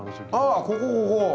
ああここここ！